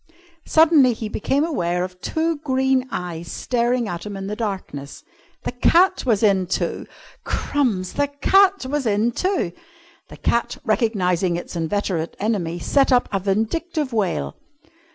Suddenly he became aware of two green eyes staring at him in the darkness. The cat was in too! Crumbs! The cat was in too! The cat, recognising its inveterate enemy, set up a vindictive wail.